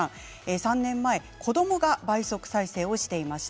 ３年前子どもが倍速再生していました。